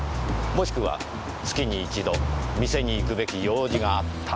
もしくは月に一度店に行くべき用事があった。